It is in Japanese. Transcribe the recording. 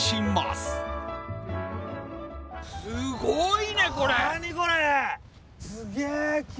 すごいね、これ！